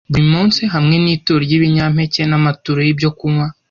buri munsi hamwe n ituro ry ibinyampeke n amaturo y ibyokunywa